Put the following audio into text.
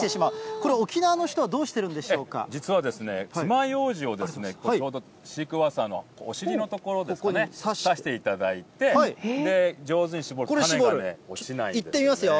これ、沖縄の人はどうしてるんで実はですね、つまようじを、シークワーサーのお尻の所ですかね、刺していただいて、上手に搾いってみますよ。